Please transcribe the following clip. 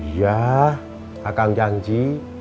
iya akang janji